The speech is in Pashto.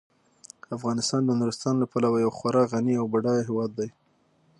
افغانستان د نورستان له پلوه یو خورا غني او بډایه هیواد دی.